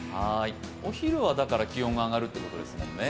お昼は気温が上がるってことですもんね。